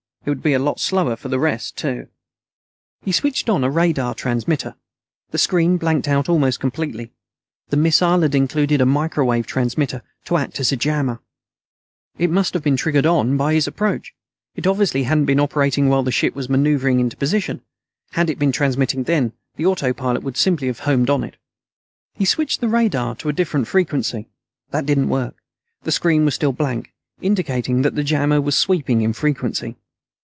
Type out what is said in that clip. It would be a lot slower for the rest, too. He switched on a radar transmitter. The screen blanked out almost completely. The missile had included a micro wave transmitter, to act as a jammer. It must have been triggered on by his approach. It obviously hadn't been operating while the ship was maneuvering into position. Had it been transmitting then, the autopilot would simply have homed on it. He switched the radar to a different frequency. That didn't work. The screen was still blank, indicating that the jammer was sweeping in frequency.